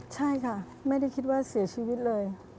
ใช่ค่ะไม่ได้คิดว่าเสียชีวิตเลย